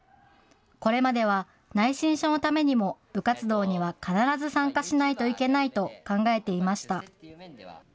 これまでは内申書のためにも、部活動には必ず参加しないといけないと考えていました。